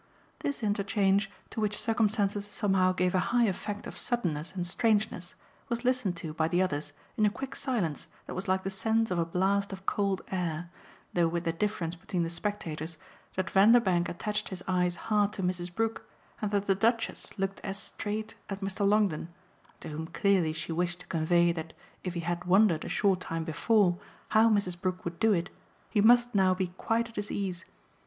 This interchange, to which circumstances somehow gave a high effect of suddenness and strangeness, was listened to by the others in a quick silence that was like the sense of a blast of cold air, though with the difference between the spectators that Vanderbank attached his eyes hard to Mrs. Brook and that the Duchess looked as straight at Mr. Longdon, to whom clearly she wished to convey that if he had wondered a short time before how Mrs. Brook would do it he must now be quite at his ease.